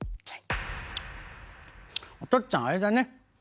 おとっつぁんあれだね。